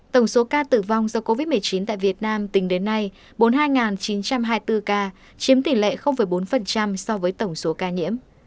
tổng số ca tử vong do covid một mươi chín tại việt nam tính đến nay bốn mươi hai chín trăm hai mươi bốn ca chiếm tỷ lệ bốn so với tổng số ca nhiễm